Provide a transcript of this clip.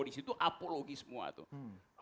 di situ apologi semua tuh